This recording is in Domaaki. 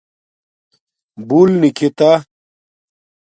بُݸل نکھتݳ